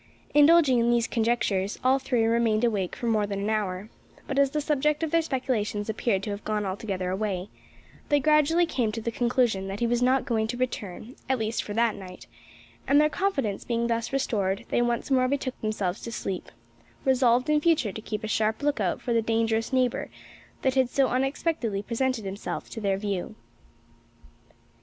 Indulging in these conjectures, all three remained awake for more than an hour; but as the subject of their speculations appeared to have gone altogether away, they gradually came to the conclusion that he was not going to return at least for that night and their confidence being thus restored, they once more betook themselves to sleep resolved in future to keep a sharp lookout for the dangerous neighbour that had so unexpectedly presented himself to their view.